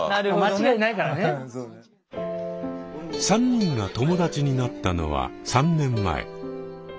３人が友達になったのは３年前。